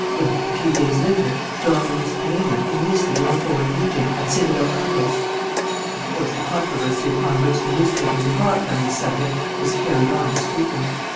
Well, a few days later, Don Luis Perenna enlisted in the Foreign Legion at Sidi bel Abbes." Of course, the controversy upon which the newspapers embarked on this subject was carried on discreetly.